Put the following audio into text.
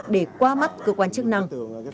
để qua mắt cơ quan chức năng